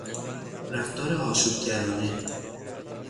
رفتار آشوبگرانه